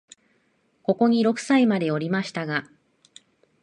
ここに六歳までおりましたが、